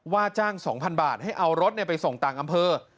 ว่าจ้าง๒๐๐บาทให้เอารถไปส่งต่างอำเภอ